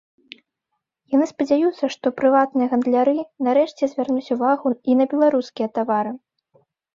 Яны спадзяюцца, што прыватныя гандляры, нарэшце, звернуць увагу і на беларускія тавары.